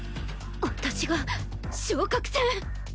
私が昇格戦？